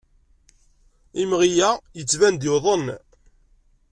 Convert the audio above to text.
Imɣi-a yettban-d yuḍen.